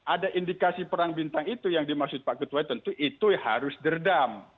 ada indikasi perang bintang itu yang dimaksud pak ketua tentu itu harus derdam